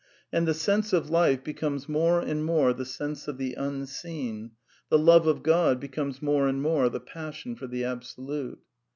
And the sense of life be *Wmes more and more the sense of the Unseen ; the love of Ijrod becomes more and more the passion for the Absolute.